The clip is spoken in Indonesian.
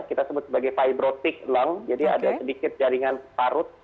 kita sebut sebagai fibro tick lung jadi ada sedikit jaringan parut